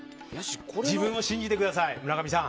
自分を信じてください村上さん。